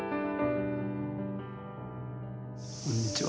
こんにちは。